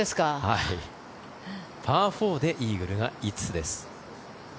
パー４でイーグルが５つです。